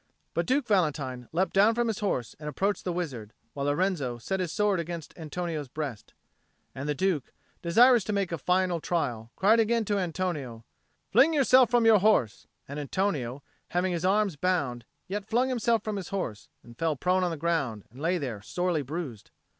But Duke Valentine leapt down from his horse and approached the wizard, while Lorenzo set his sword against Antonio's breast. And the Duke, desirous to make a final trial, cried again to Antonio, "Fling yourself from your horse." And Antonio, having his arms bound, yet flung himself from his horse, and fell prone on the ground, and lay there sorely bruised.